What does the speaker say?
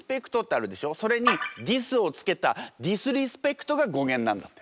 それにディスを付けたディスリスペクトが語源なんだって。